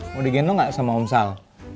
mau digendong nggak sama omsal